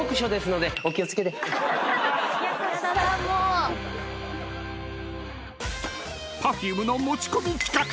［Ｐｅｒｆｕｍｅの持ち込み企画！